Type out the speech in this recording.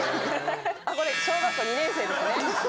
あこれ小学校２年生ですね。